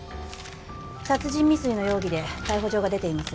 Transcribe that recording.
殺人未遂の容疑で逮捕状が出ています。